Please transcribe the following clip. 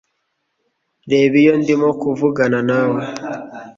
Reba iyo ndimo kuvugana nawe!